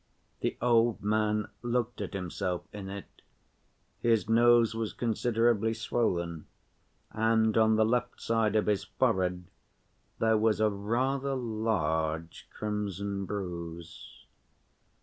The old man looked at himself in it; his nose was considerably swollen, and on the left side of his forehead there was a rather large crimson bruise.